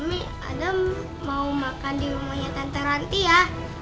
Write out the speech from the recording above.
mami adam mau makan di rumahnya t ranti ya